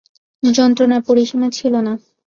যন্ত্রণার পরিসীমা ছিল না।